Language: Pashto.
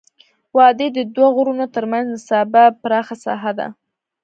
وادي د دوه غرونو ترمنځ نسبا پراخه ساحه ده.